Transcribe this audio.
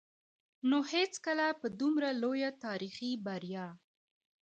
نو هېڅکله به دومره لويه تاريخي بريا